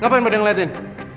ngapain pada yang ngeliatin